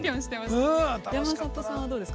山里さんはどうですか？